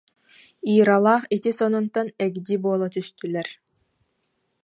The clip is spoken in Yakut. Иралаах ити сонунтан эгди буола түстүлэр